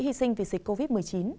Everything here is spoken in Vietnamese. hy sinh vì dịch covid một mươi chín